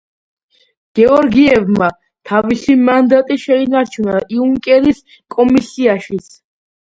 გეორგიევამ თავისი მანდატი შეინარჩუნა იუნკერის კომისიაშიც.